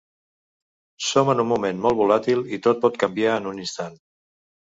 Som en un moment molt volàtil i tot pot canviar en un instant.